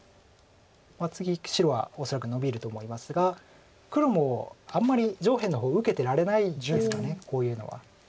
次白は恐らくノビると思いますが黒もあんまり上辺の方受けてられないですかこういうのは。